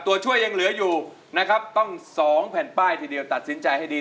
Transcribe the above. ตัวช่วยยังเหลืออยู่ต้อง๒แผ่นเป้าไปอีกทีเดียวตัดสินใจให้ดี